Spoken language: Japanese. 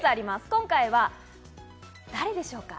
今回は誰でしょうか。